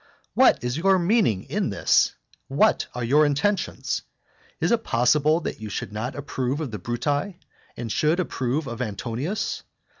What is your meaning in this? What are your intentions? Is it possible that you should not approve of the Bruti, and should approve of Antonius?